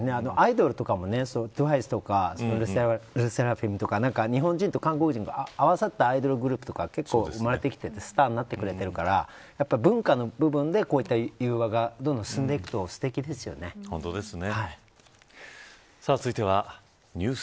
アイドルとかもトゥワイスとか日本人と韓国人が合わさったアイドルグループとか結構生まれてきてスターになってくれてるから文化の部分でこういった融和がどんどん進んでいくと本当ですね。